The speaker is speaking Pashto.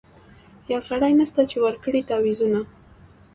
یو سړی نسته چي ورکړي تعویذونه